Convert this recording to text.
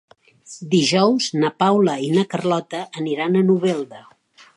Dijous na Paula i na Carlota aniran a Novelda.